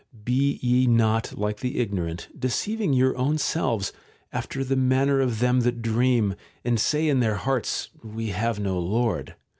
Be ye not like the ignorant, deceiving your own selves, after the manner of them that dream, and say in their hearts, ' We have no Lord